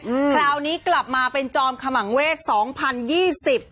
คราวนี้กลับมาเป็นจอมขมังเวศ๒๐๒๐